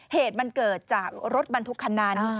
เหตุมันเกิดจากรถบรรทุกคันนั้น